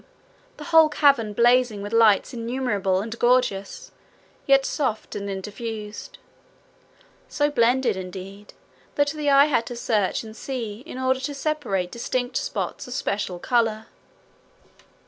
the whole cavern blazing with lights innumerable, and gorgeous, yet soft and interfused so blended, indeed, that the eye had to search and see in order to separate distinct spots of special colour.